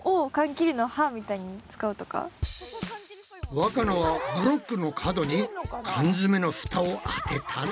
わかなはブロックの角に缶詰のフタをあてたぞ。